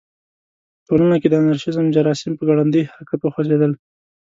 په ټولنه کې د انارشیزم جراثیم په ګړندي حرکت وخوځېدل.